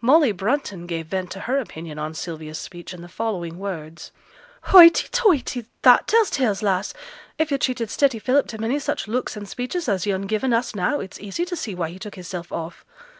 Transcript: Molly Brunton gave vent to her opinion on Sylvia's speech in the following words: 'Hoighty toighty! That tells tales, lass. If yo' treated steady Philip to many such looks an' speeches as yo'n given us now, it's easy t' see why he took hisself off.